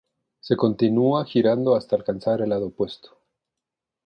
Se continúa girando hasta alcanzar el lado opuesto.